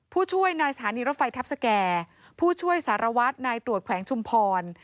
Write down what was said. ผู้ช่วยนายสถานีรถไฟทัพสแก่ผู้ช่วยสารวัตรนายตรวจแขวงชุมพร